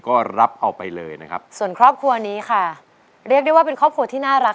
ก็รับเอาไปเลยนะครับส่วนครอบครัวนี้ค่ะเรียกได้ว่าเป็นครอบครัวที่น่ารัก